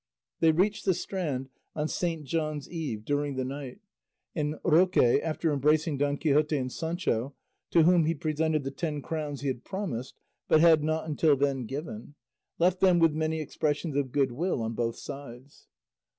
They reached the strand on Saint John's Eve during the night; and Roque, after embracing Don Quixote and Sancho (to whom he presented the ten crowns he had promised but had not until then given), left them with many expressions of good will on both sides.